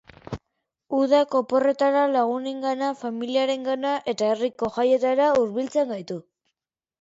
Udak oporretara, lagunengana, familarengana eta herriko jaietara hurbiltzen gaitu.